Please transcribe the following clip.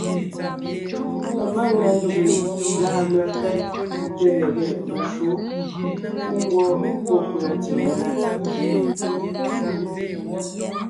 Pamangʉa njʉʼ lâ mefɛ́ té lege meshǔ pú ngwɔ́ pɔ́ pʉ̀a tsìŋe ndá.